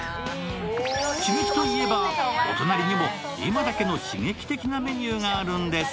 刺激といえば、お隣にも今だけの刺激的なメニューがあるんです。